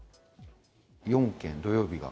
４件、土曜日が。